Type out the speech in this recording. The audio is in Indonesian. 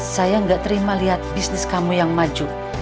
saya gak terima lihat bisnis kamu yang maju